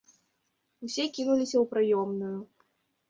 Усе кінуліся ў прыёмную.